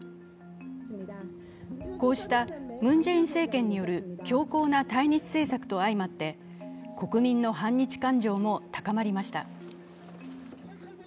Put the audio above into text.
こうしたムン・ジェイン政権による強硬な対日政策と相まって国民の反日感情も高まりました。